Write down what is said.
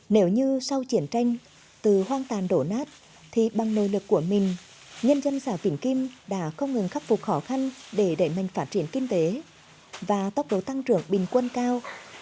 nếu như sau chiến tranh từ hoang tàn đổ nát thì bằng nội lực của mình nhân dân xã vĩnh kim đã không ngừng khắc phục khó khăn để đẩy mạnh phát triển kinh tế và tốc độ tăng trưởng bình quân cao